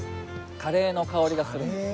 カレーの香りがするんです。